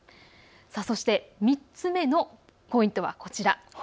そして、３つ目のポイントはこちら。